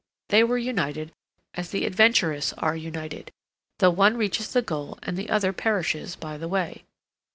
They were united as the adventurous are united, though one reaches the goal and the other perishes by the way.